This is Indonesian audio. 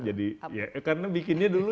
jadi karena bikinnya dulu